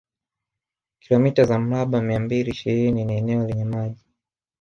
Kilomita za mraba mia mbili ishirini ni eneo lenye maji